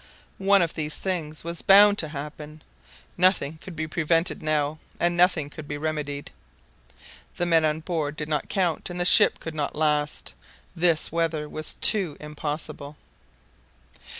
One of these things was bound to happen. Nothing could be prevented now, and nothing could be remedied. The men on board did not count, and the ship could not last. This weather was too impossible.